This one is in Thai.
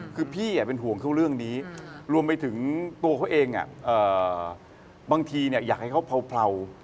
คือพี่เป็นห่วงเขาเรื่องนี้รวมไปถึงตัวเขาเองบางทีอยากให้เขาเผลา